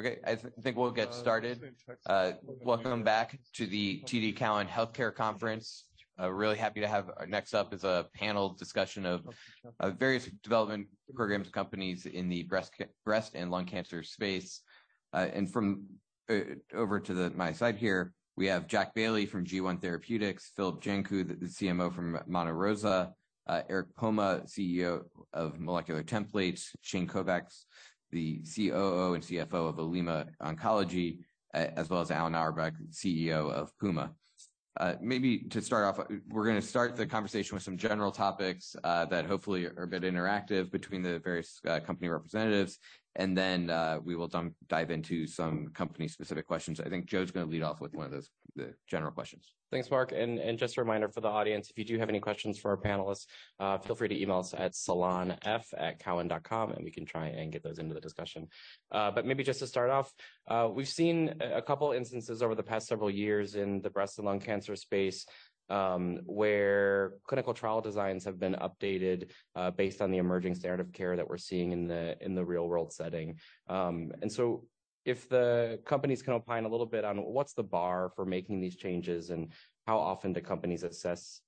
Okay, I think we'll get started. Welcome back to the TD Cowen Healthcare Conference. Next up is a panel discussion of various development programs, companies in the breast and lung cancer space. From over to my side here, we have Jack Bailey from G1 Therapeutics, Filip Janku, the CMO from Monte Rosa Therapeutics, Eric Poma, CEO of Molecular Templates, Shane Kovacs, the COO and CFO of Olema Oncology, as well as Alan Auerbach, CEO of Puma Biotechnology. Maybe to start off, we're gonna start the conversation with some general topics that hopefully are a bit interactive between the various company representatives, then we will dive into some company-specific questions. I think Joe's gonna lead off with one of those, the general questions. Thanks, Mark. Just a reminder for the audience, if you do have any questions for our panelists, feel free to email us at salonf@cowan.com, we can try and get those into the discussion. Maybe just to start off, we've seen two instances over the past several years in the breast and lung cancer space, where clinical trial designs have been updated based on the emerging standard of care that we're seeing in the real-world setting. If the companies can opine a little bit on what's the bar for making these changes, and how often do companies assess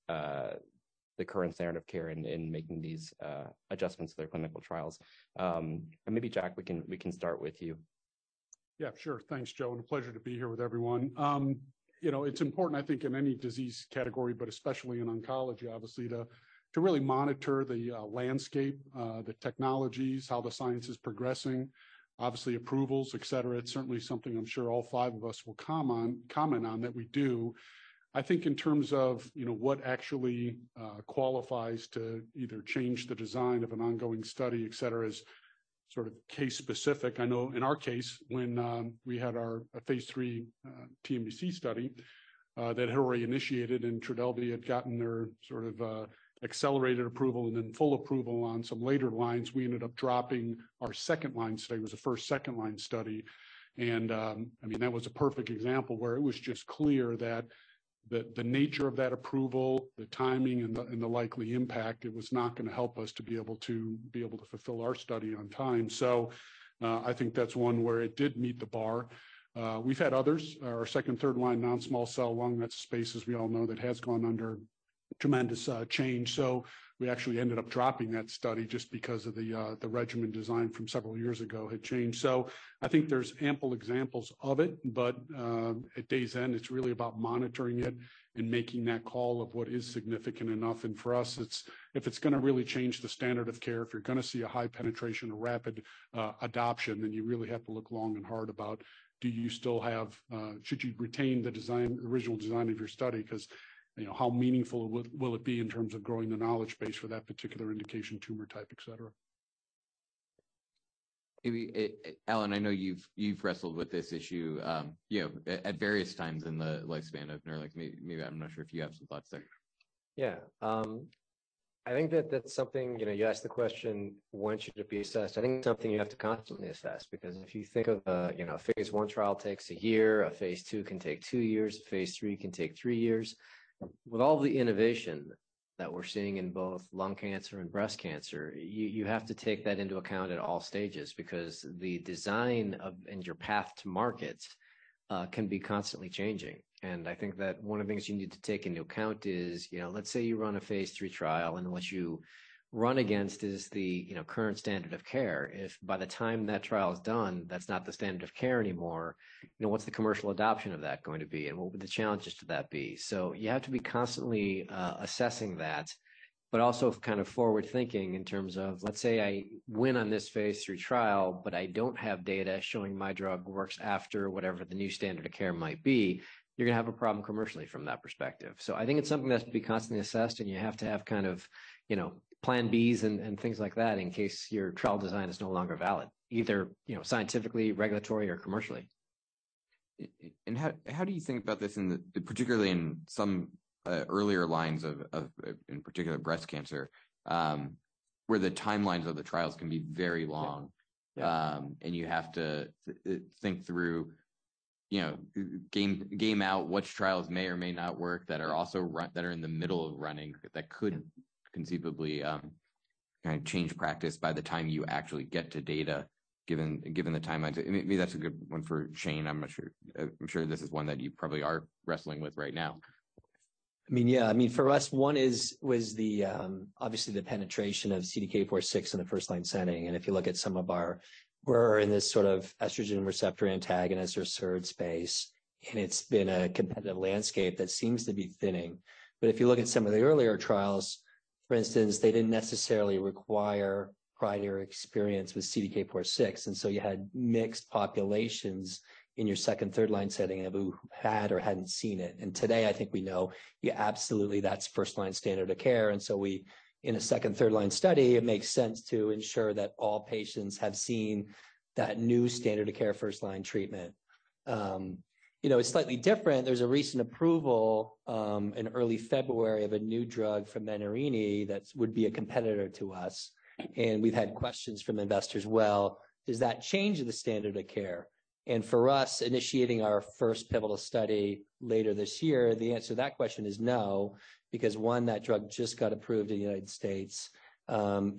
the current standard of care in making these adjustments to their clinical trials? Maybe Jack, we can start with you. Yeah, sure. Thanks, Joe, and a pleasure to be here with everyone. you know, it's important, I think, in any disease category, but especially in oncology, obviously, to really monitor the landscape, the technologies, how the science is progressing, obviously approvals, et cetera. It's certainly something I'm sure all five of us will comment on that we do. I think in terms of, you know, what actually qualifies to either change the design of an ongoing study, et cetera, is sort of case specific. I know in our case, when we had our, a phase III, TNBC study that had already initiated, and Trodelvy had gotten their sort of accelerated approval and then full approval on some later lines, we ended up dropping our second-line study. It was a first second line study, and, I mean that was a perfect example where it was just clear that the nature of that approval, the timing, and the, and the likely impact, it was not gonna help us to be able to fulfill our study on time. I think that's one where it did meet the bar. We've had others. Our second, third-line non-small cell lung, that's a space, as we all know, that has gone under tremendous change. We actually ended up dropping that study just because of the regimen design from several years ago had changed. I think there's ample examples of it, but, at day's end, it's really about monitoring it and making that call of what is significant enough. For us, it's, if it's gonna really change the standard of care, if you're gonna see a high penetration or rapid adoption, then you really have to look long and hard about do you still have, should you retain the design, original design of your study? 'Cause, you know, how meaningful will it be in terms of growing the knowledge base for that particular indication, tumor type, et cetera. Maybe, Alan, I know you've wrestled with this issue, you know, at various times in the lifespan of NERLYNX. Maybe, I'm not sure if you have some thoughts there? Yeah. I think that that's something, you know, you asked the question, when should it be assessed? I think it's something you have to constantly assess, because if you think of a, you know, a phase I trial takes one year, a phase II can take two years, a phase III can take three years. With all the innovation that we're seeing in both lung cancer and breast cancer, you have to take that into account at all stages because the design of and your path to market can be constantly changing. I think that one of the things you need to take into account is, you know, let's say you run a phase III trial, and what you run against is the, you know, current standard of care. If by the time that trial is done, that's not the standard of care anymore, you know, what's the commercial adoption of that going to be? What would the challenges to that be? You have to be constantly assessing that, but also kind of forward-thinking in terms of, let's say I win on this phase III trial, but I don't have data showing my drug works after whatever the new standard of care might be, you're gonna have a problem commercially from that perspective. I think it's something that has to be constantly assessed, and you have to have kind of, you know, plan Bs and things like that in case your trial design is no longer valid, either, you know, scientifically, regulatory, or commercially. how do you think about this in the particularly in some earlier lines of, in particular breast cancer, where the timelines of the trials can be very long? Yeah. You have to, think through, you know, game out which trials may or may not work that are also that are in the middle of running that could conceivably, kinda change practice by the time you actually get to data, given the timeline. To me, maybe that's a good one for Shane. I'm not sure. I'm sure this is one that you probably are wrestling with right now. I mean, yeah. I mean, for us, one was the, obviously the penetration of CDK4/6 in the first-line setting. If you look at some of our... We're in this sort of estrogen receptor antagonist or SERD space, and it's been a competitive landscape that seems to be thinning. If you look at some of the earlier trials, for instance, they didn't necessarily require prior experience with CDK4/6, and so you had mixed populations in your second, third-line setting of who had or hadn't seen it. Today, I think we know, yeah, absolutely, that's first-line standard of care, and so we, in a second, third-line study, it makes sense to ensure that all patients have seen that new standard of care first-line treatment. You know, it's slightly different. There's a recent approval in early February of a new drug from Menarini that would be a competitor to us, and we've had questions from investors, "Well, does that change the standard of care? For us initiating our first pivotal study later this year, the answer to that question is no, because one, that drug just got approved in the U.S..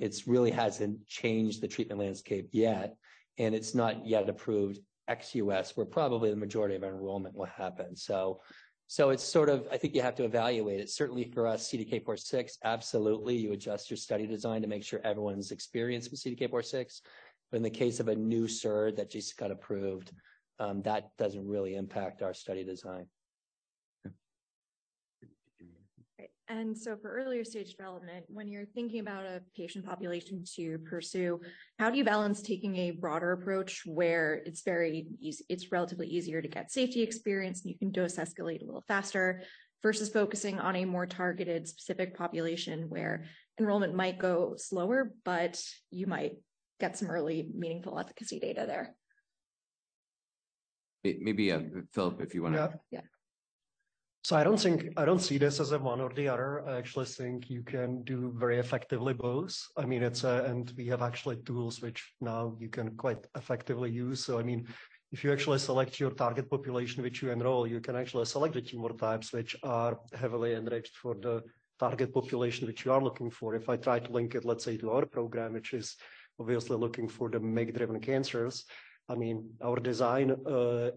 It's really hasn't changed the treatment landscape yet, and it's not yet approved ex-US, where probably the majority of enrollment will happen. It's sort of I think you have to evaluate it. Certainly for us, CDK4/6, absolutely, you adjust your study design to make sure everyone's experienced with CDK4/6. In the case of a new SERD that just got approved, that doesn't really impact our study design. Okay. Great. For earlier stage development, when you're thinking about a patient population to pursue, how do you balance taking a broader approach where it's relatively easier to get safety experience, and you can dose escalate a little faster, versus focusing on a more targeted specific population where enrollment might go slower, but you might get some early meaningful efficacy data there? Maybe, Filip, if you wanna. Yeah. Yeah. I don't see this as a one or the other. I actually think you can do very effectively both. I mean, we have actually tools which now you can quite effectively use. I mean, if you actually select your target population which you enroll, you can actually select the tumor types which are heavily enriched for the target population which you are looking for. If I try to link it, let's say, to our program, which is obviously looking for the MYC-driven cancers, I mean, our design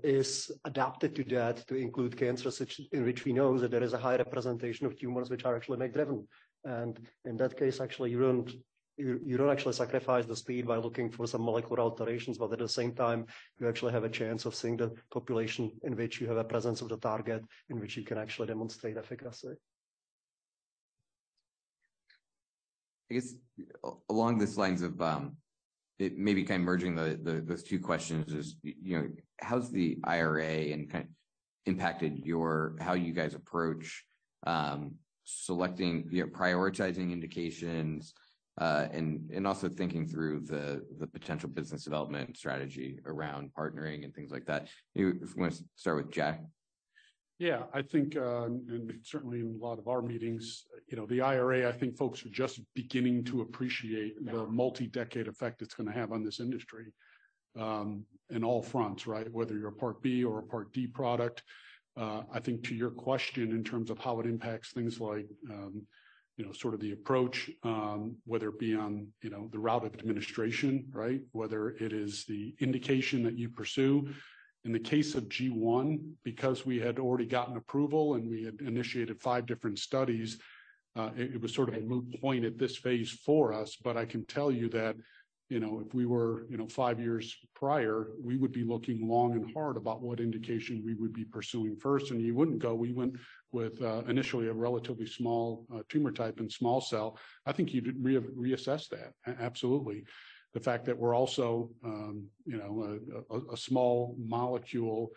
is adapted to that to include cancers in which we know that there is a high representation of tumors which are actually MYC-driven. In that case, actually, you don't actually sacrifice the speed by looking for some molecular alterations, but at the same time, you actually have a chance of seeing the population in which you have a presence of the target in which you can actually demonstrate efficacy. I guess along these lines of, maybe kind of merging the those two questions is, you know, how's the IRA and impacted your how you guys approach, selecting, you know, prioritizing indications, and also thinking through the potential business development strategy around partnering and things like that? Maybe if you wanna start with Jack. Yeah. I think, and certainly in a lot of our meetings, you know, the IRA, I think folks are just beginning to appreciate the multi-decade effect it's gonna have on this industry, in all fronts, right? Whether you're a Part B or a Part D product. I think to your question in terms of how it impacts things like, you know, sort of the approach, whether it be on, you know, the route of administration, right? Whether it is the indication that you pursue. In the case of G one, because we had already gotten approval and we had initiated five different studies, it was sort of a moot point at this phase for us. I can tell you that, you know, if we were, you know, five years prior, we would be looking long and hard about what indication we would be pursuing first. You wouldn't go, we went with, initially a relatively small tumor type and small cell. I think you'd re-assess that. Absolutely. The fact that we're also, you know, a small molecule,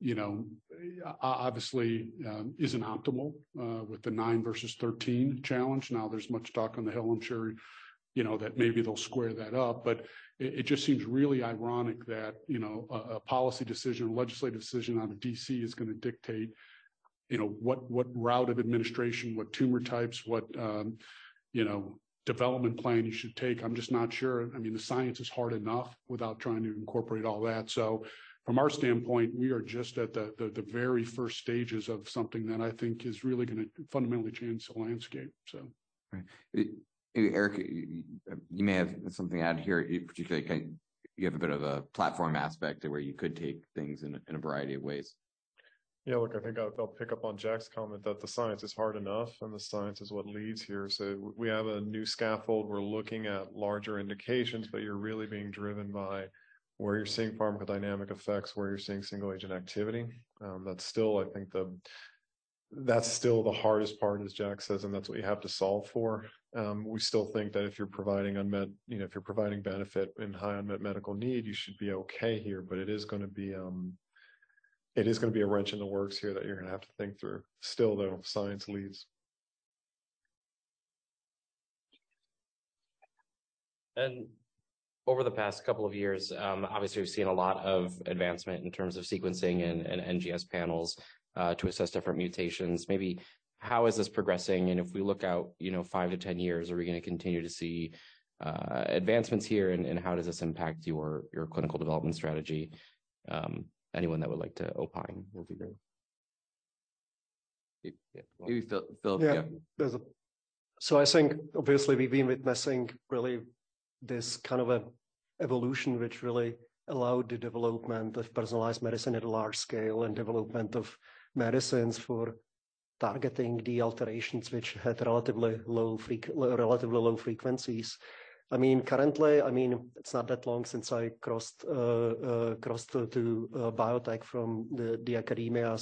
you know, obviously, isn't optimal with the nine versus 13 challenge. There's much talk on the Hill, I'm sure, you know, that maybe they'll square that up. It just seems really ironic that, you know, a policy decision, a legislative decision out of D.C. is gonna dictate, you know, what route of administration, what tumor types, what, you know, development plan you should take. I'm just not sure. I mean, the science is hard enough without trying to incorporate all that. From our standpoint, we are just at the very first stages of something that I think is really gonna fundamentally change the landscape, so. Right. Maybe Eric, you may have something to add here, particularly you have a bit of a platform aspect to where you could take things in a variety of ways. Yeah, look, I think I'll pick up on Jack's comment that the science is hard enough. The science is what leads here. We have a new scaffold. We're looking at larger indications. You're really being driven by where you're seeing pharmacodynamic effects, where you're seeing single agent activity. That's still I think that's still the hardest part, as Jack says. That's what you have to solve for. We still think that if you're providing unmet, you know, if you're providing benefit in high unmet medical need, you should be okay here. It is gonna be, it is gonna be a wrench in the works here that you're gonna have to think through. Still, though, science leads. Over the past couple of years, obviously, we've seen a lot of advancement in terms of sequencing and NGS panels to assess different mutations. Maybe how is this progressing? If we look out, you know, five to 10 years, are we gonna continue to see advancements here, and how does this impact your clinical development strategy? Anyone that would like to opine would be great. Maybe Filip. Filip, yeah. Yeah. There's I think obviously we've been witnessing really this kind of a evolution which really allowed the development of personalized medicine at a large scale and development of medicines for targeting the alterations which had relatively low relatively low frequencies. I mean, currently, I mean, it's not that long since I crossed to biotech from the academia.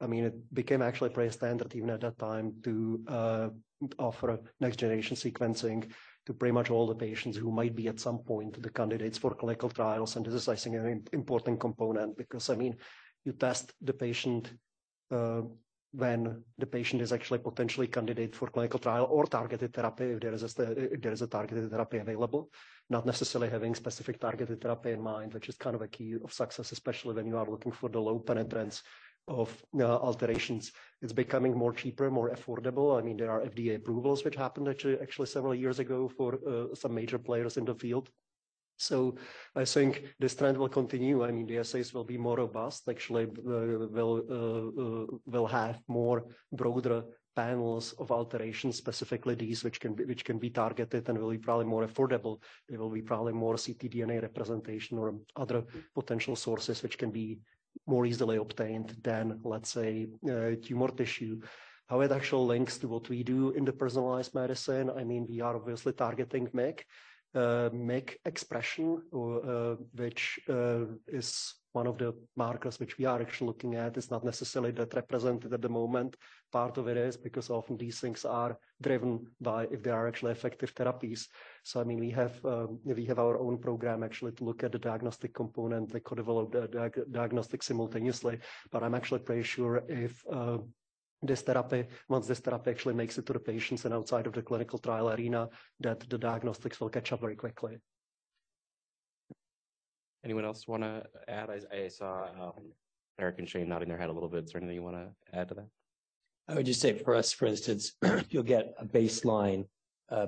I mean, it became actually pretty standard even at that time to offer next-generation sequencing to pretty much all the patients who might be at some point the candidates for clinical trials. This is, I think, an important component because, I mean, you test the patient when the patient is actually potentially candidate for clinical trial or targeted therapy, if there is a targeted therapy available, not necessarily having specific targeted therapy in mind, which is kind of a key of success, especially when you are looking for the low penetrance of alterations. It's becoming more cheaper, more affordable. I mean, there are FDA approvals which happened actually several years ago for some major players in the field. I think this trend will continue, and the assays will be more robust. Actually, we'll have more broader panels of alteration, specifically these which can be targeted and will be probably more affordable. It will be probably more ctDNA representation or other potential sources which can be more easily obtained than, let's say, tumor tissue. How it actually links to what we do in the personalized medicine, I mean, we are obviously targeting MYC. MYC expression, which is one of the markers which we are actually looking at, is not necessarily that represented at the moment. Part of it is because often these things are driven by if there are actually effective therapies. I mean, we have, we have our own program actually to look at the diagnostic component that could develop the diagnostic simultaneously. I'm actually pretty sure if, once this therapy actually makes it to the patients and outside of the clinical trial arena, that the diagnostics will catch up very quickly. Anyone else wanna add? I saw Eric and Shane nodding their head a little bit. Is there anything you wanna add to that? I would just say for us, for instance, you'll get a baseline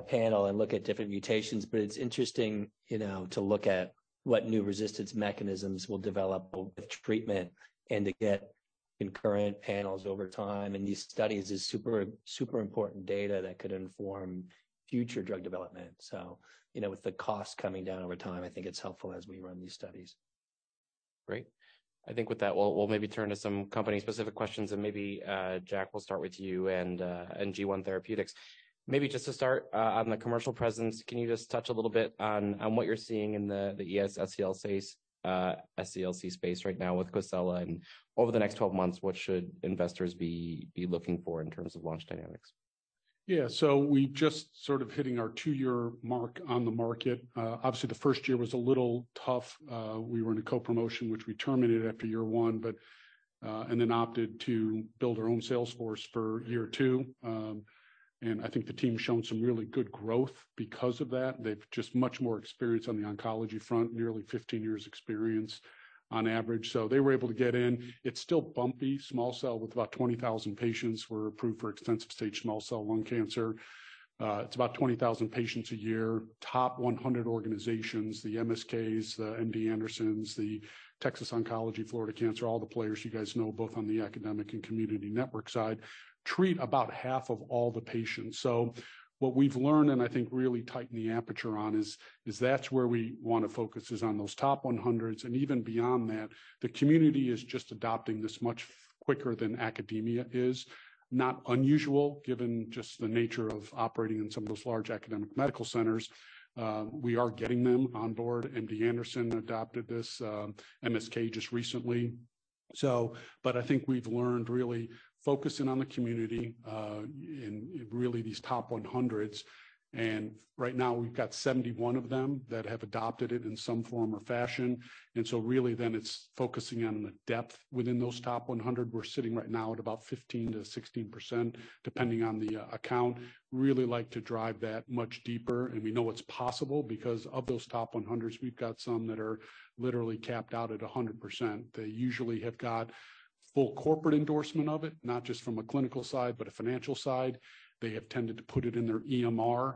panel and look at different mutations, but it's interesting, you know, to look at what new resistance mechanisms will develop with treatment and to get concurrent panels over time. These studies is super important data that could inform future drug development. You know, with the cost coming down over time, I think it's helpful as we run these studies. Great. I think with that, we'll maybe turn to some company-specific questions, and maybe Jack, we'll start with you and G1 Therapeutics. Maybe just to start on the commercial presence, can you just touch a little bit on what you're seeing in the ES-SCLC SCLC space right now with COSELA, and over the next 12 months, what should investors be looking for in terms of launch dynamics? Yeah. We just sort of hitting our two-year mark on the market. Obviously the first year was a little tough. We were in a co-promotion, which we terminated after year one, then opted to build our own sales force for year two. I think the team's shown some really good growth because of that. They've just much more experience on the oncology front, nearly 15 years experience on average. They were able to get in. It's still bumpy. Small cell with about 20,000 patients were approved for extensive-stage small cell lung cancer. It's about 20,000 patients a year. Top 100 organizations, the MSKs, the MD Andersons, the Texas Oncology, Florida Cancer, all the players you guys know, both on the academic and community network side, treat about half of all the patients. What we've learned, and I think really tighten the aperture on, is that's where we wanna focus is on those top 100s, and even beyond that. The community is just adopting this much quicker than academia is. Not unusual, given just the nature of operating in some of those large academic medical centers. We are getting them on board. MD Anderson adopted this, MSK just recently. I think we've learned really focusing on the community, and really these top 100s, and right now we've got 71 of them that have adopted it in some form or fashion. Really then it's focusing on the depth within those top 100. We're sitting right now at about 15%-16%, depending on the account. Really like to drive that much deeper, and we know it's possible because of those top 100s, we've got some that are literally capped out at 100%. They usually have got full corporate endorsement of it, not just from a clinical side, but a financial side. They have tended to put it in their EMR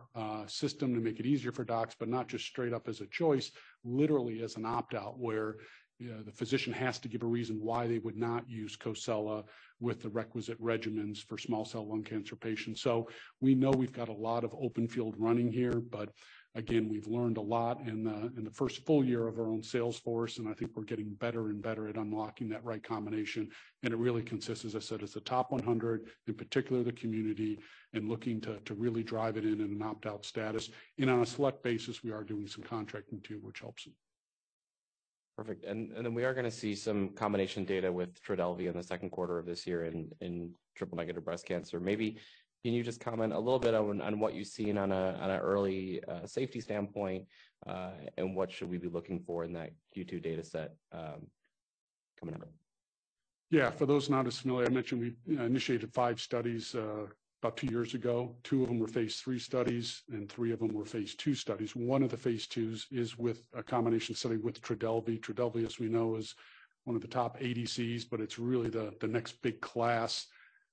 system to make it easier for docs, but not just straight up as a choice, literally as an opt-out, where, you know, the physician has to give a reason why they would not use COSELA with the requisite regimens for small cell lung cancer patients. We know we've got a lot of open field running here, but again, we've learned a lot in the 1st full year of our own sales force, and I think we're getting better and better at unlocking that right combination. It really consists, as I said, it's the top 100, in particular the community, and looking to really drive it in an opt-out status. On a select basis, we are doing some contracting too, which helps it. Perfect. We are gonna see some combination data with Trodelvy in the second quarter of this year in triple negative breast cancer. Can you just comment a little bit on what you've seen on a early safety standpoint, and what should we be looking for in that Q2 data set coming up? Yeah. For those not as familiar, I mentioned we, you know, initiated five studies, about two years ago. Two of them were phase III studies, and three of them were phase II studies. One of the phase IIs is with a combination study with Trodelvy. Trodelvy, as we know, is one of the top ADCs, but it's really the next big class.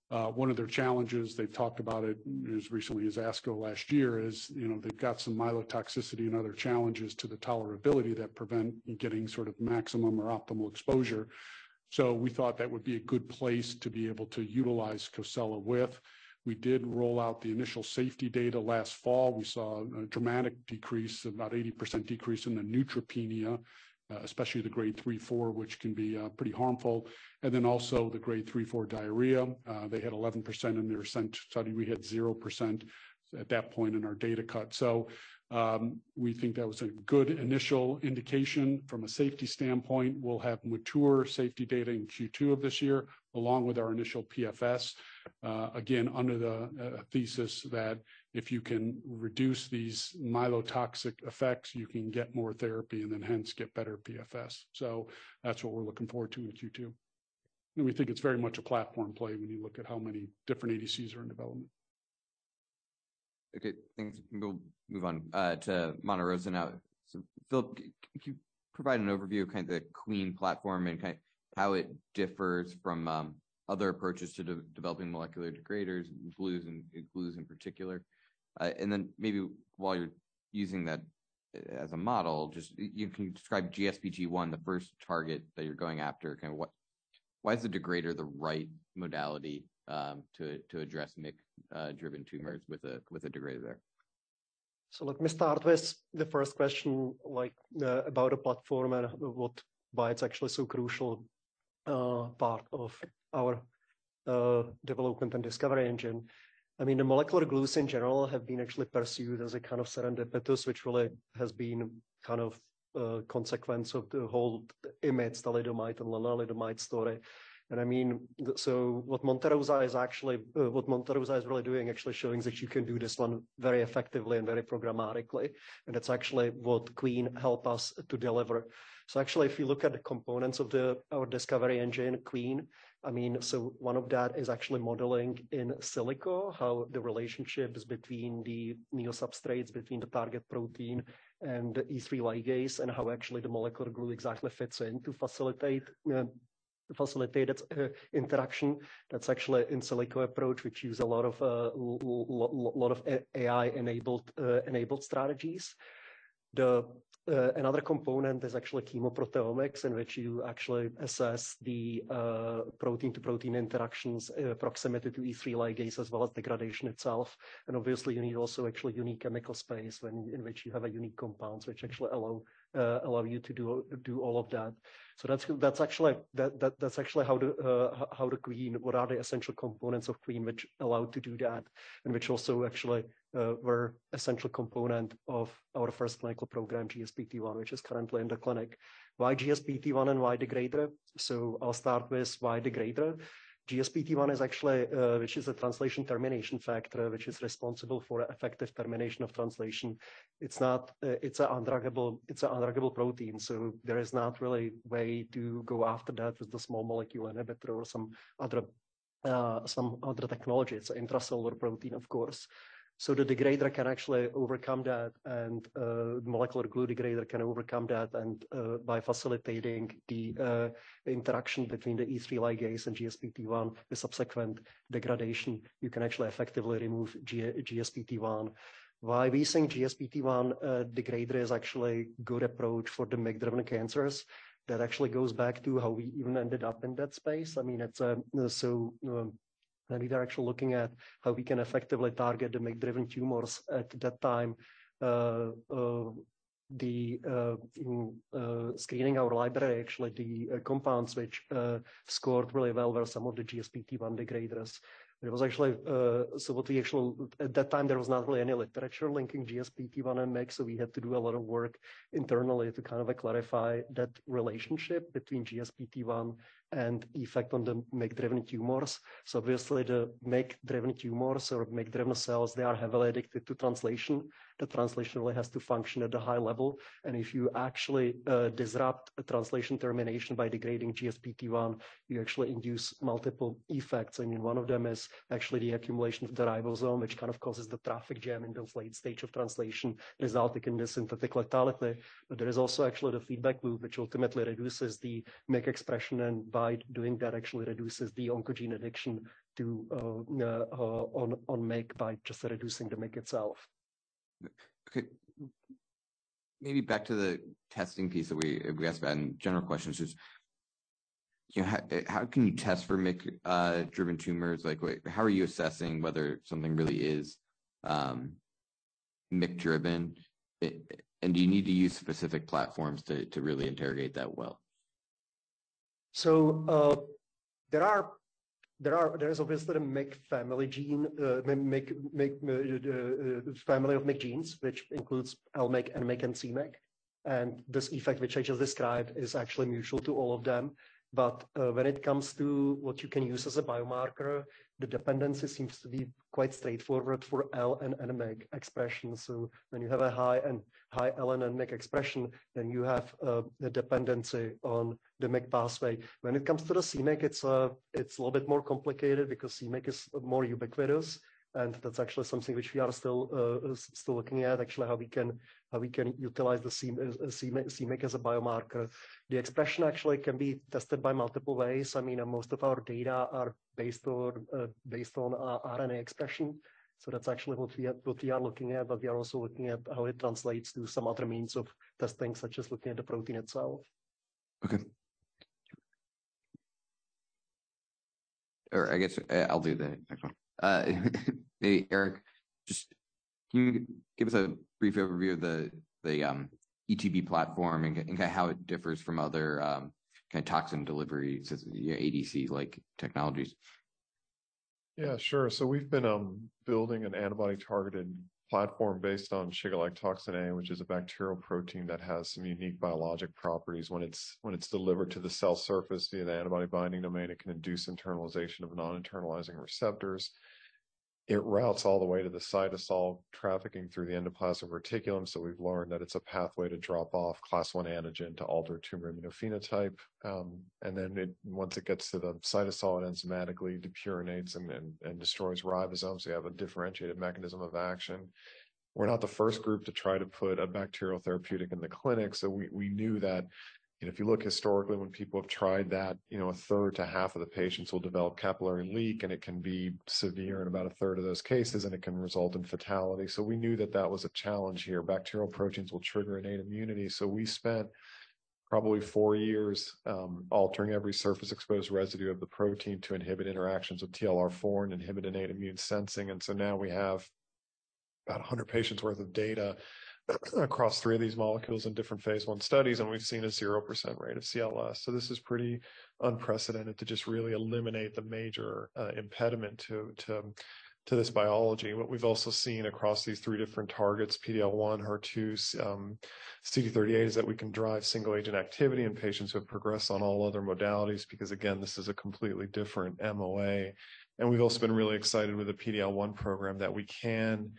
One of their challenges, they've talked about it as recently as ASCO last year, is, you know, they've got some myelotoxicity and other challenges to the tolerability that prevent getting sort of maximum or optimal exposure. We thought that would be a good place to be able to utilize COSELA with. We did roll out the initial safety data last fall. We saw a dramatic decrease, about 80% decrease in the neutropenia, especially the grade three/four, which can be pretty harmful, and then also the grade three/four diarrhea. They had 11% in their ASCENT study. We had 0% at that point in our data cut. We think that was a good initial indication from a safety standpoint. We'll have mature safety data in Q2 of this year, along with our initial PFS, again, under the thesis that if you can reduce these myelotoxic effects, you can get more therapy and then hence get better PFS. That's what we're looking forward to in Q2. We think it's very much a platform play when you look at how many different ADCs are in development. Okay. Thanks. We'll move on, to Monte Rosa now. Filip If you provide an overview of kinda the QuEEn platform and how it differs from other approaches to developing molecular degraders, glues and glues in particular. Then maybe while you're using that as a model, just you can describe GSPT1, the first target that you're going after, kinda what, why is the degrader the right modality to address MYC driven tumors with a degrader there? Let me start with the first question, like, about a platform and why it's actually so crucial, part of our development and discovery engine. I mean, the molecular glues in general have been actually pursued as a kind of serendipitous, which really has been kind of a consequence of the whole IMiD, thalidomide, and lenalidomide story. I mean, what Monte Rosa is really doing, actually showing that you can do this one very effectively and very programmatically, and it's actually what QuEEn help us to deliver. Actually, if you look at the our discovery engine, QuEEn, I mean, one of that is actually modeling in silico, how the relationships between the neosubstrates, between the target protein and the E3 ligase, and how actually the molecular glue exactly fits in to facilitate its interaction. That's actually in silico approach, which use a lot of AI-enabled enabled strategies. The another component is actually chemoproteomics, in which you actually assess the protein-to-protein interactions, proximity to E3 ligase, as well as degradation itself. Obviously, you need also actually unique chemical space in which you have a unique compounds which actually allow you to do all of that. That's actually how the QuEEn. What are the essential components of QuEEn which allow to do that, and which also actually were essential component of our first clinical program, GSPT1, which is currently in the clinic. Why GSPT1 and why degrader? I'll start with why degrader. GSPT1 is actually which is a translation termination factor, which is responsible for effective termination of translation. It's not, it's a undruggable protein, so there is not really way to go after that with the small molecule inhibitor or some other technology. It's an intracellular protein, of course. The degrader can actually overcome that and molecular glue degrader can overcome that and by facilitating the interaction between the E3 ligase and GSPT1, the subsequent degradation, you can actually effectively remove GSPT1. Why we think GSPT1 degrader is actually good approach for the MYC-driven cancers, that actually goes back to how we even ended up in that space. I mean, it's, when we were actually looking at how we can effectively target the MYC-driven tumors at that time, the screening our library, actually the compounds which scored really well were some of the GSPT1 degraders. It was actually. What we actually, at that time, there was not really any literature linking GSPT1 and MYC, so we had to do a lot of work internally to kind of clarify that relationship between GSPT1 and effect on the MYC-driven tumors. Obviously, the MYC-driven tumors or MYC-driven cells, they are heavily addicted to translation. The translation really has to function at a high level. If you actually disrupt a translation termination by degrading GSPT1, you actually induce multiple effects, and one of them is actually the accumulation of the ribosome, which kind of causes the traffic jam in those late stage of translation, resulting in the synthetic lethality. There is also actually the feedback loop, which ultimately reduces the MYC expression, and by doing that, actually reduces the oncogene addiction to on MYC by just reducing the MYC itself. Okay. Maybe back to the testing piece that we asked about and general questions. Just, you know, how can you test for MYC driven tumors? Like, wait, how are you assessing whether something really is MYC driven? Do you need to use specific platforms to really interrogate that well? There is obviously the MYC family gene, MYC family of MYC genes, which includes L-MYC, N-MYC, and c-MYC. This effect, which I just described, is actually mutual to all of them. When it comes to what you can use as a biomarker, the dependency seems to be quite straightforward for L and N-MYC expression. When you have a high and high LN and MYC expression, then you have a dependency on the MYC pathway. When it comes to the c-MYC, it's a little bit more complicated because c-MYC is more ubiquitous, and that's actually something which we are still looking at, actually, how we can, how we can utilize the c-MYC as a biomarker. The expression actually can be tested by multiple ways. I mean, most of our data are based on RNA expression, that's actually what we are looking at. We are also looking at how it translates to some other means of testing, such as looking at the protein itself. Okay. I guess, I'll do the next one. Hey, Eric, just can you give us a brief overview of the ETB platform and kinda how it differs from other kinda toxin delivery ADC-like technologies? Yeah, sure. We've been building an antibody-targeted platform based on Shiga-like toxin A, which is a bacterial protein that has some unique biologic properties. When it's delivered to the cell surface via the antibody binding domain, it can induce internalization of non-internalizing receptors. It routes all the way to the cytosol, trafficking through the endoplasmic reticulum. We've learned that it's a pathway to drop off class one antigen to alter tumor immunophenotype. Once it gets to the cytosol, it enzymatically depurinates and destroys ribosomes, so you have a differentiated mechanism of action. We're not the first group to try to put a bacterial therapeutic in the clinic, so we knew that. If you look historically when people have tried that, you know, a third to half of the patients will develop capillary leak, and it can be severe in about a third of those cases, and it can result in fatality. We knew that that was a challenge here. Bacterial proteins will trigger innate immunity. We spent probably four years altering every surface-exposed residue of the protein to inhibit interactions with TLR4 and inhibit innate immune sensing. Now we have about 100 patients' worth of data across three of these molecules in different phase I studies, and we've seen a 0% rate of CLS. This is pretty unprecedented to just really eliminate the major impediment to this biology. What we've also seen across these three different targets, PD-L1, HER2, CD38, is that we can drive single-agent activity in patients who have progressed on all other modalities because, again, this is a completely different MOA. We've also been really excited with the PD-L1 program that we can,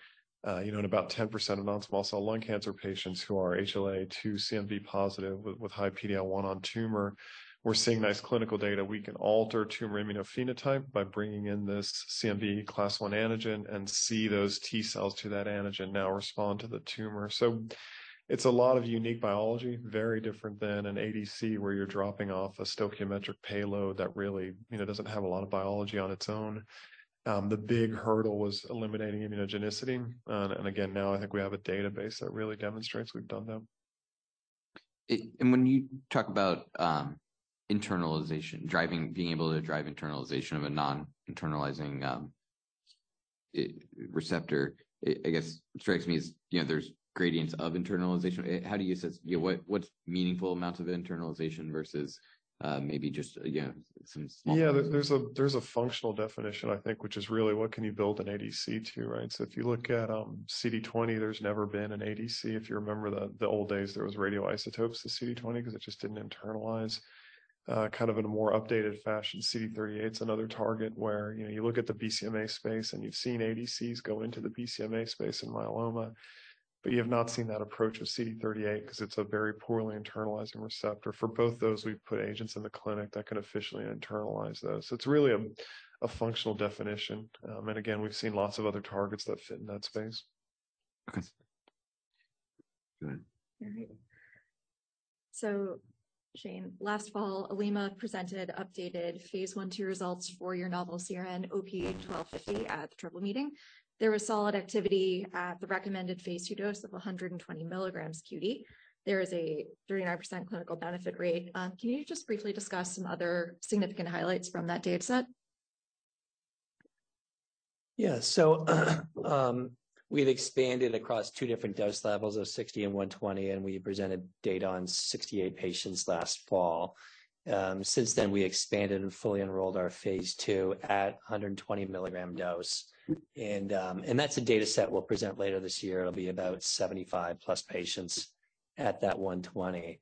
you know, in about 10% of non-small cell lung cancer patients who are HLA-II CMV positive with high PD-L1 on tumor, we're seeing nice clinical data. We can alter tumor immunophenotype by bringing in this CMV class one antigen and see those T-cells to that antigen now respond to the tumor. It's a lot of unique biology, very different than an ADC, where you're dropping off a stoichiometric payload that really, you know, doesn't have a lot of biology on its own. The big hurdle was eliminating immunogenicity. Again, now I think we have a database that really demonstrates we've done that. When you talk about internalization, being able to drive internalization of a non-internalizing receptor, it, I guess, strikes me as, you know, there's gradients of internalization. How do you assess, you know, what's meaningful amounts of internalization versus, maybe just, you know, some small. Yeah. There's a functional definition, I think, which is really what can you build an ADC to, right? If you look at CD20, there's never been an ADC. If you remember the old days, there was radioisotopes to CD20 'cause it just didn't internalize. Kind of in a more updated fashion, CD38's another target where, you know, you look at the BCMA space, and you've seen ADCs go into the BCMA space in myeloma, but you have not seen that approach with CD38 'cause it's a very poorly internalizing receptor. For both those, we've put agents in the clinic that can efficiently internalize those. It's really a functional definition. Again, we've seen lots of other targets that fit in that space. Okay. Go ahead. Shane, last fall, Olema presented updated phase I, two results for your novel CERAN OP-1250 at the EORTC-NCI-AACR Symposium. There was solid activity at the recommended phase II dose of 120 milligrams QD. There is a 39% clinical benefit rate. Can you just briefly discuss some other significant highlights from that dataset? We've expanded across two different dose levels of 60 and 120, and we presented data on 68 patients last fall. Since then, we expanded and fully enrolled our phase II at a 120 milligram dose. That's a dataset we'll present later this year. It'll be about 75+ patients at that 120.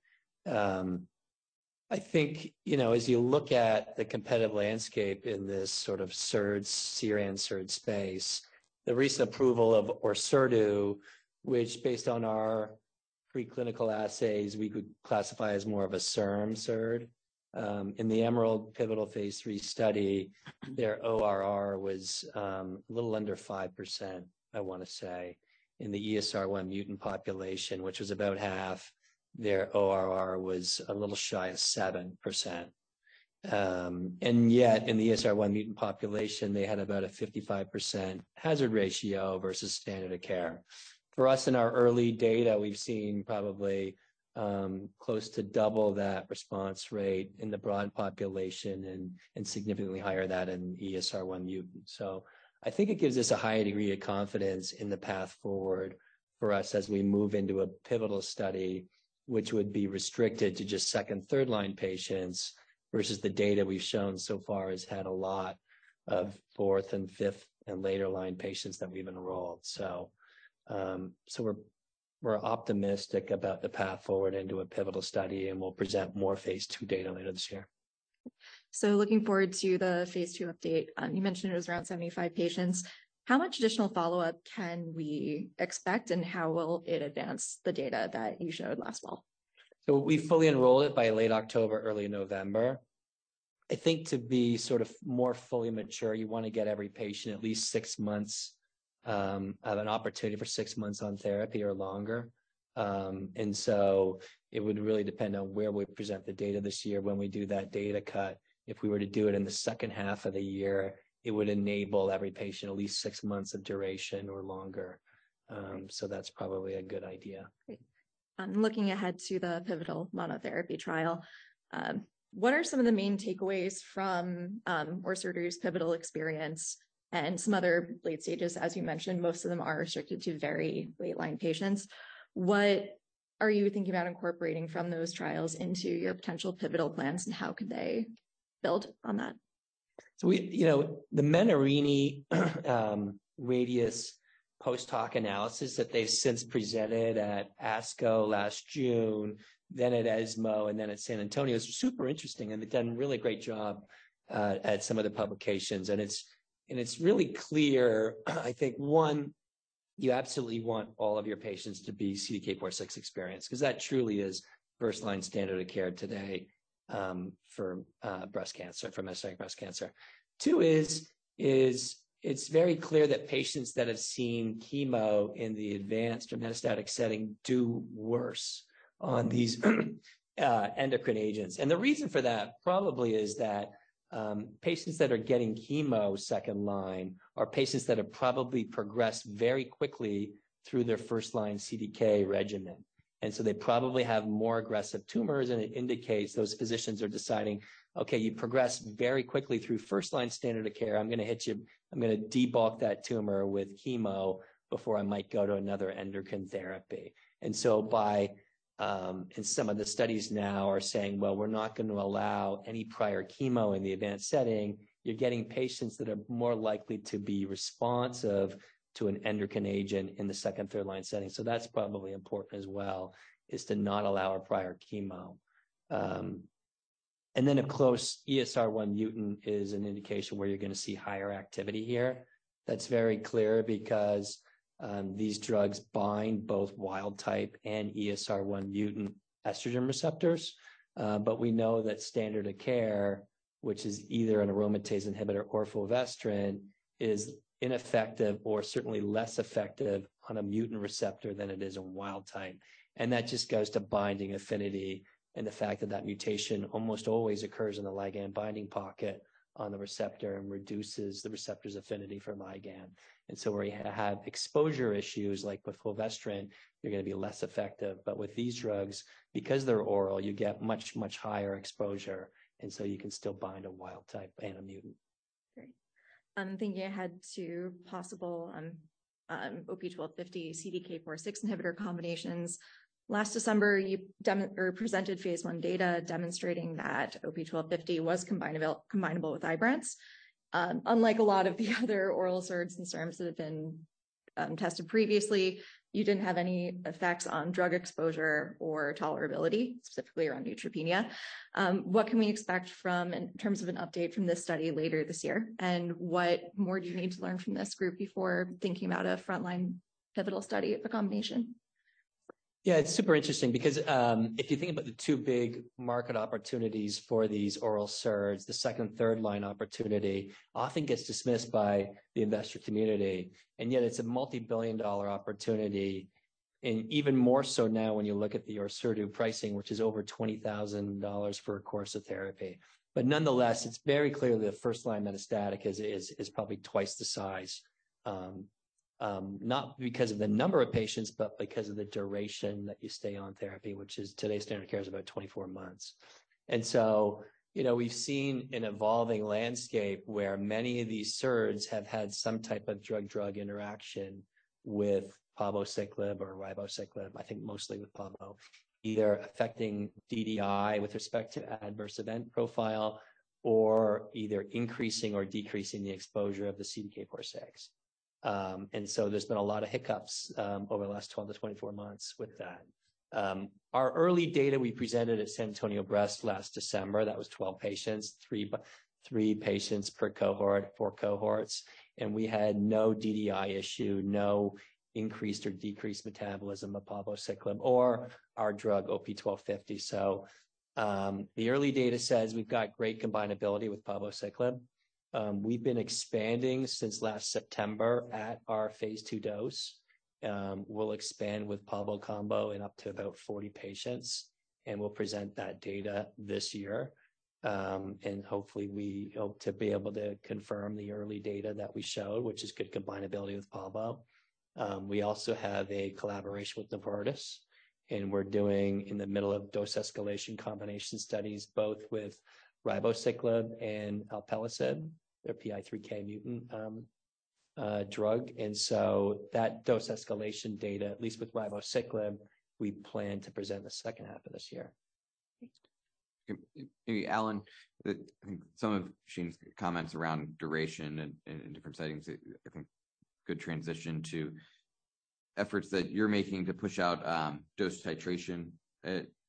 I think, you know, as you look at the competitive landscape in this sort of SERD, CERAN SERD space, the recent approval of ORSERDU, which based on our preclinical assays, we could classify as more of a SERM SERD. In the EMERALD pivotal phase III study, their ORR was a little under 5%, I wanna say. In the ESR1 mutant population, which was about half, their ORR was a little shy of 7%. And yet in the ESR1 mutant population, they had about a 55% hazard ratio versus standard of care. For us, in our early data, we've seen probably close to double that response rate in the broad population and significantly higher that in ESR1 mutant. I think it gives us a high degree of confidence in the path forward for us as we move into a pivotal study, which would be restricted to just second, third-line patients, versus the data we've shown so far has had a lot of fourth and fifth and later line patients that we've enrolled. We're optimistic about the path forward into a pivotal study, and we'll present more phase II data later this year. Looking forward to the Phase II update. You mentioned it was around 75 patients. How much additional follow-up can we expect, and how will it advance the data that you showed last fall? We fully enroll it by late October, early November. I think to be sort of more fully mature, you wanna get every patient at least six months, have an opportunity for six months on therapy or longer. It would really depend on where we present the data this year when we do that data cut. If we were to do it in the second half of the year, it would enable every patient at least six months of duration or longer. That's probably a good idea. Great. looking ahead to the pivotal monotherapy trial, what are some of the main takeaways from ORSERDU's pivotal experience and some other late stages? As you mentioned, most of them are restricted to very late-line patients. What are you thinking about incorporating from those trials into your potential pivotal plans, and how could they build on that? You know, the Menarini, RADIUS post-hoc analysis that they've since presented at ASCO last June, then at ESMO, and then at San Antonio is super interesting, and they've done a really great job at some of the publications. It's really clear, I think, one, you absolutely want all of your patients to be CDK4/6 experienced 'cause that truly is first-line standard of care today. For breast cancer, for metastatic breast cancer. Two is, it's very clear that patients that have seen chemo in the advanced metastatic setting do worse on these endocrine agents. The reason for that probably is that patients that are getting chemo second-line are patients that have probably progressed very quickly through their first-line CDK regimen. They probably have more aggressive tumors, and it indicates those physicians are deciding, "Okay, you progressed very quickly through first-line standard of care. I'm gonna debulk that tumor with chemo before I might go to another endocrine therapy." By, and some of the studies now are saying, "Well, we're not gonna allow any prior chemo in the advanced setting," you're getting patients that are more likely to be responsive to an endocrine agent in the second, third-line setting. That's probably important as well, is to not allow a prior chemo. A close ESR1 mutant is an indication where you're gonna see higher activity here. That's very clear because these drugs bind both wild type and ESR1 mutant estrogen receptors. We know that standard of care, which is either an aromatase inhibitor or fulvestrant, is ineffective or certainly less effective on a mutant receptor than it is a wild type. That just goes to binding affinity and the fact that that mutation almost always occurs in the ligand binding pocket on the receptor and reduces the receptor's affinity for ligand. Where you have exposure issues, like with fulvestrant, you're gonna be less effective. With these drugs, because they're oral, you get much, much higher exposure, and so you can still bind a wild type and a mutant. Great. I'm thinking ahead to possible OP-1250 CDK4/6 inhibitor combinations. Last December, you presented phase I data demonstrating that OP-1250 was combinable with Ibrance. Unlike a lot of the other oral SERDs and SERMs that have been tested previously, you didn't have any effects on drug exposure or tolerability, specifically around neutropenia. What can we expect from in terms of an update from this study later this year? What more do you need to learn from this group before thinking about a frontline pivotal study of a combination? Yeah, it's super interesting because if you think about the two big market opportunities for these oral SERDs, the second and third-line opportunity often gets dismissed by the investor community. Yet it's a multi-billion dollar opportunity, and even more so now when you look at the ORSERDU pricing, which is over $20,000 for a course of therapy. Nonetheless, it's very clear that first line metastatic is probably twice the size, not because of the number of patients, but because of the duration that you stay on therapy, which is today's standard of care is about 24 months. You know, we've seen an evolving landscape where many of these SERDs have had some type of drug-drug interaction with palbociclib or ribociclib, I think mostly with palbo, either affecting DDI with respect to adverse event profile or either increasing or decreasing the exposure of the CDK4/6. There's been a lot of hiccups over the last 12-24 months with that. Our early data we presented at San Antonio Breast last December, that was 12 patients, three patients per cohort, four cohorts, and we had no DDI issue, no increased or decreased metabolism of palbociclib or our drug, OP-1250. The early data says we've got great combinability with palbociclib. We've been expanding since last September at our phase II dose. We'll expand with palbo combo in up to about 40 patients, and we'll present that data this year. Hopefully we hope to be able to confirm the early data that we showed, which is good combinability with palbo. We also have a collaboration with Novartis, and we're doing in the middle of dose escalation combination studies, both with ribociclib and alpelisib, their PI3K mutant drug. That dose escalation data, at least with ribociclib, we plan to present the second half of this year. Great. Alan, some of Shane's comments around duration in different settings, I think, good transition to efforts that you're making to push out dose titration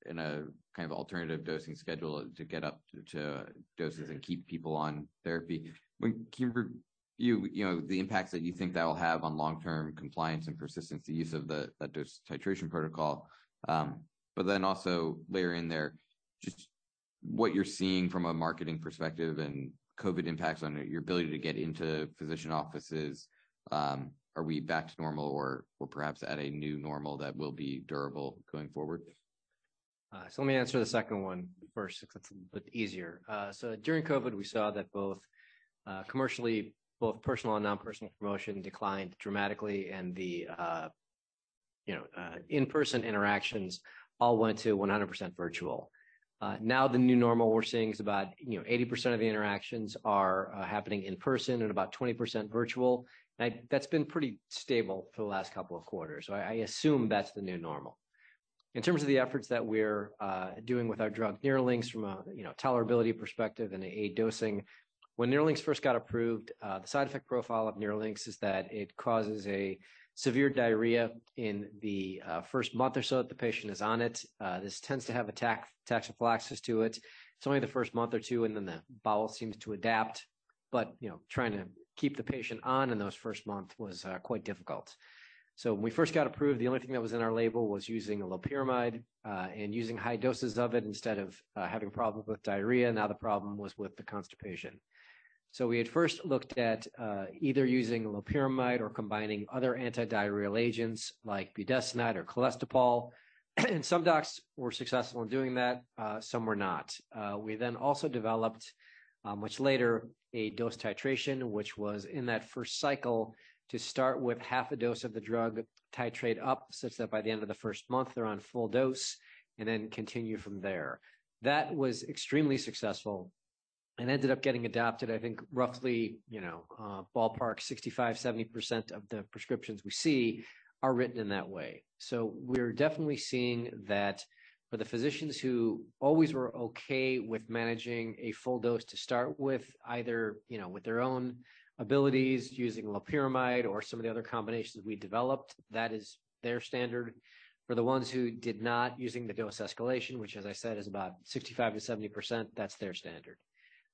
in a kind of alternative dosing schedule to get up to doses and keep people on therapy. You know, the impacts that you think that will have on long-term compliance and persistence, the use of that dose titration protocol, also layer in there just what you're seeing from a marketing perspective and COVID impacts on your ability to get into physician offices. Are we back to normal or perhaps at a new normal that will be durable going forward? Let me answer the second one first, because it's a bit easier. Now the new normal we're seeing is about, you know, 80% of the interactions are happening in person and about 20% virtual. That's been pretty stable for the last couple of quarters. I assume that's the new normal. In terms of the efforts that we're doing with our drug, NERLYNX, from a, you know, tolerability perspective and aid dosing. When NERLYNX first got approved, the side effect profile of NERLYNX is that it causes a severe diarrhea in the first month or so that the patient is on it. This tends to have a taxane toxicity to it. It's only the first month or two, and then the bowel seems to adapt. you know, trying to keep the patient on in those first month was quite difficult. When we first got approved, the only thing that was in our label was using loperamide and using high doses of it instead of having problems with diarrhea. The problem was with the constipation. We had first looked at either using loperamide or combining other antidiarrheal agents like budesonide or cholestyramine. Some docs were successful in doing that, some were not. We then also developed, much later, a dose titration, which was in that first cycle to start with half a dose of the drug titrate up such that by the end of the first month they're on full dose and then continue from there. That was extremely successful and ended up getting adopted, I think, roughly, you know, ballpark 65%-70% of the prescriptions we see are written in that way. We're definitely seeing that for the physicians who always were okay with managing a full dose to start with, either, you know, with their own abilities using loperamide or some of the other combinations we developed, that is their standard. For the ones who did not, using the dose escalation, which as I said, is about 65%-70%, that's their standard.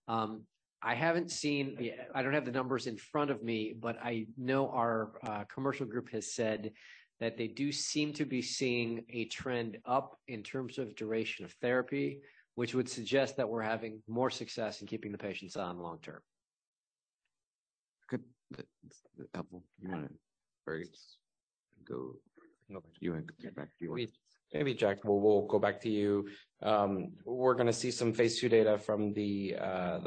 I don't have the numbers in front of me, but I know our commercial group has said that they do seem to be seeing a trend up in terms of duration of therapy, which would suggest that we're having more success in keeping the patients on long term. Good. Apple, you wanna go? You want to get back to you? Maybe, Jack, we'll go back to you. We're gonna see some phase II data from the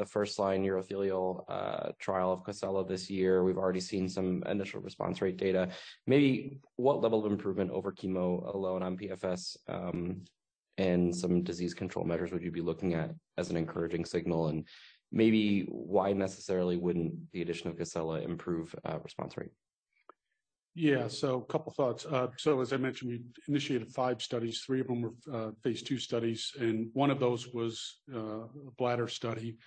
first-line urothelial trial of COSELA this year. We've already seen some initial response rate data. Maybe what level of improvement over chemo alone on PFS, and some disease control measures would you be looking at as an encouraging signal? Maybe why necessarily wouldn't the addition of COSELA improve response rate? A couple thoughts. As I mentioned, we initiated five studies. Three of them were phase II studies, and one of those was a bladder study.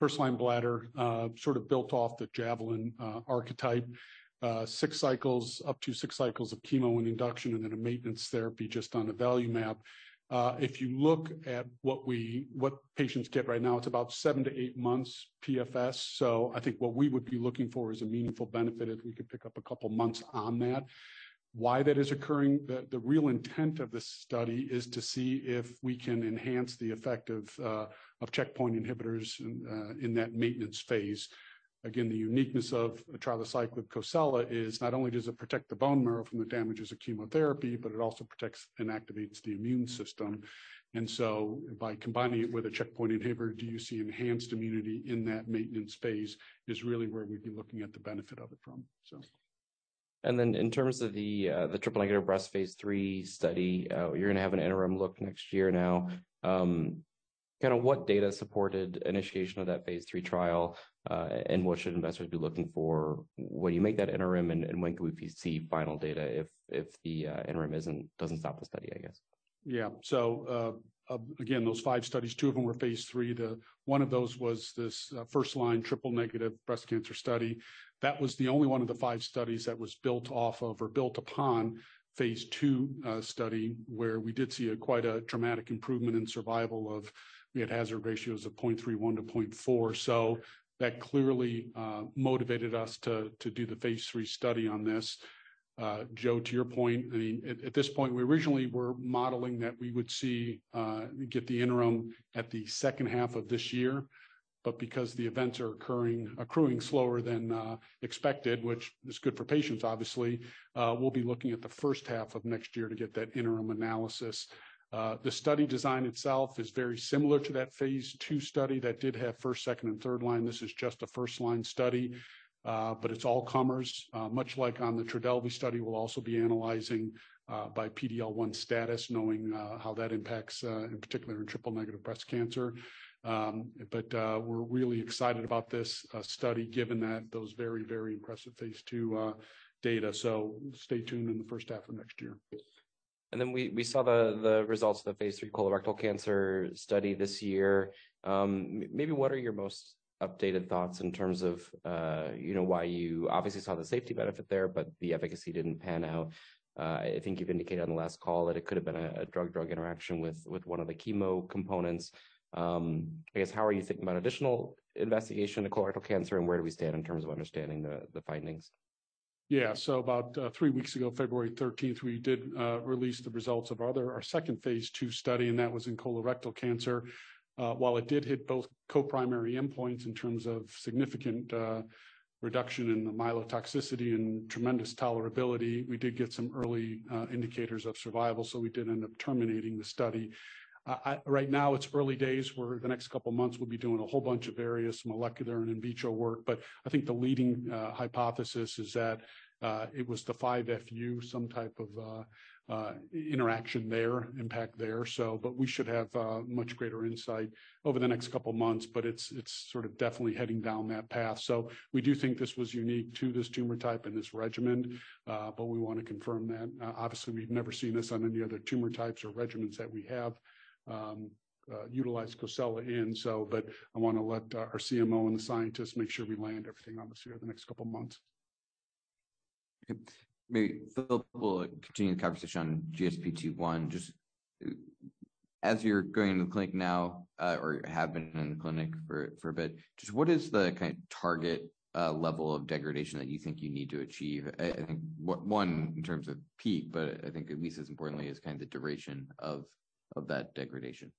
First line bladder, sort of built off the JAVELIN archetype, up to six cycles of chemo and induction, and then a maintenance therapy just on the value map. If you look at what patients get right now, it's about seven-eight months PFS. I think what we would be looking for is a meaningful benefit if we could pick up two months on that. Why that is occurring? The real intent of this study is to see if we can enhance the effect of checkpoint inhibitors in that maintenance phase. The uniqueness of a trial of cyclic COSELA is not only does it protect the bone marrow from the damages of chemotherapy, but it also protects and activates the immune system. By combining it with a checkpoint inhibitor, do you see enhanced immunity in that maintenance phase is really where we'd be looking at the benefit of it from? In terms of the Triple-Negative Breast phase III study, you're gonna have an interim look next year now. Kinda what data supported initiation of that phase III trial, and what should investors be looking for when you make that interim, and when could we see final data if the interim doesn't stop the study, I guess? Again, those five studies, two of them were phase III. One of those was this first-line triple-negative breast cancer study. That was the only one of the fve studies that was built off of or built upon phase II study, where we did see a quite a dramatic improvement in survival of... We had hazard ratios of 0.31-0.4. That clearly motivated us to do the phase III study on this. Joe, to your point, I mean, at this point, we originally were modeling that we would see get the interim at the second half of this year. Because the events are accruing slower than expected, which is good for patients, obviously, we'll be looking at the first half of next year to get that interim analysis. s a transcript of a conversation between a patient and a doctor. The patient is a 65-yearold male presenting with symptoms of a urinary tract infection.</p> <p><strong>Doctor:</strong> Good morning, Mr. Smith. What brings you in today?</p> <p><strong>Patient:</strong> Good morning, Doctor. I've been feeling a bit off lately. I have this constant urge to urinate, and when I do go, it's not much, and it burns.</p> <p><strong>Doctor:</strong> I see. How long have these symptoms been going on?</p> <p><strong>Patient:</strong> For about three days now. It started subtly, but it's gotten worse.</p> <p><strong>Doctor:</strong> Any other symptoms? Fever, chills, back pain?</p> <p><strong>Patient:</strong> No, none of that. Just the urinary issues.</p> <p><strong>Doctor:</strong> Have you noticed any changes in the color or smell of your urine?</p> <p><strong>Patient:</strong> It's a bit cloudy, About, three weeks ago, February thirteenth, we did release the results of our second phase II study, and that was in colorectal cancer. It did hit both co-primary endpoints in terms of significant reduction in the myelotoxicity and tremendous tolerability, we did get some early indicators of survival, so we did end up terminating the study. Right now, it's early days, where the next couple of months we'll be doing a whole bunch of various molecular and in vitro work. I think the leading hypothesis is that, it was the 5-FU, some type of interaction there, impact there. We should have much greater insight over the next couple of months, but it's sort of definitely heading down that path. We do think this was unique to this tumor type and this regimen, but we want to confirm that. Obviously, we've never seen this on any other tumor types or regimens that we have utilized COSELA in. I want to let our CMO and the scientists make sure we land everything on this here the next couple of months. Maybe Phil will continue the conversation on GSPT1. Just as you're going into the clinic now, or have been in the clinic for a bit, just what is the kind of target level of degradation that you think you need to achieve? I think one, in terms of peak, but I think at least as importantly, is kind of the duration of that degradation.